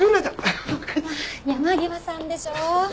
「山際さん」でしょ。